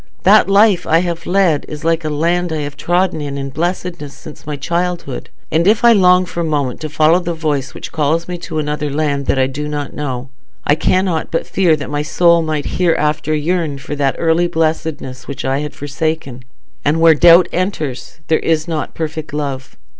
That life I have led is like a land I have trodden in blessedness since my childhood; and if I long for a moment to follow the voice which calls me to another land that I know not, I cannot but fear that my soul might hereafter yearn for that early blessedness which I had forsaken; and where doubt enters there is not perfect love.